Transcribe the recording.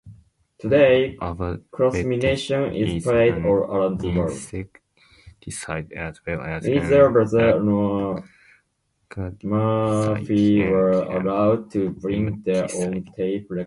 Abamectin is an insecticide as well as an acaricide and a nematicide.